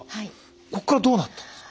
ここからどうなったんですか。